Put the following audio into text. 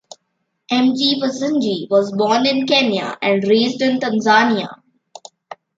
M. G. Vassanji was born in Kenya and raised in Tanzania.